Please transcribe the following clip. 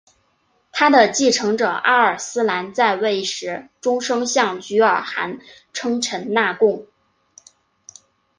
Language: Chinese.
他的继承者阿尔斯兰在位时终生向菊儿汗称臣纳贡。